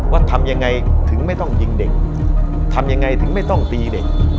ทำยังไงถึงไม่ต้องยิงเด็กทำยังไงถึงไม่ต้องตีเด็ก